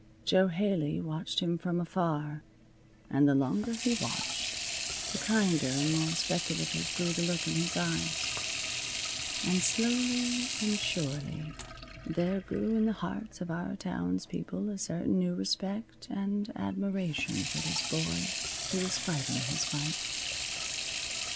Jo Haley watched him from afar, and the longer he watched the kinder and more speculative grew the look in his eyes. And slowly and surely there grew in the hearts of our townspeople a certain new respect and admiration for this boy who was fighting his fight.